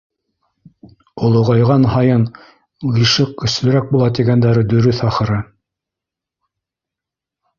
Олоғайған һайын ғишыҡ көслөрәк була, тигәндәре дөрөҫ, ахыры.